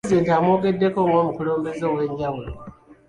Pulezidenti amwogeddeko ng’omukulembeze ow’enjawulo.